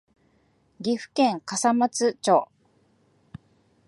岐阜県笠松町